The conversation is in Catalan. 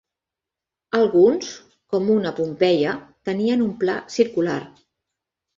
Alguns, com un a Pompeia, tenien un pla circular.